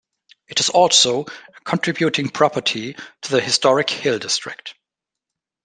It is also a contributing property to the Historic Hill District.